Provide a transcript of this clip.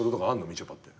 みちょぱって。